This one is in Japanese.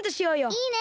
いいね！